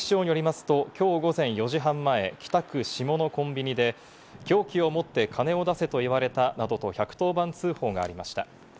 警視庁によりますと今日午前４時半前、北区志茂のコンビニで凶器を持って金を出せと言われたなどと１１０番通報がありました。